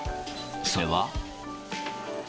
それは。